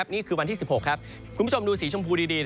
นี่คือวันที่๑๖ครับคุณผู้ชมดูสีชมพูดี